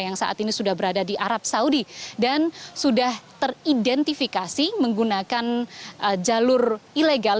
yang saat ini sudah berada di arab saudi dan sudah teridentifikasi menggunakan jalur ilegal